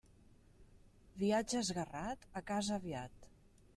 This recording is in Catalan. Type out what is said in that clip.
Viatge esguerrat, a casa aviat.